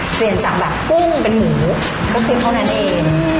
เปลี่ยนจากแบบกุ้งเป็นหมูก็คือเท่านั้นเอง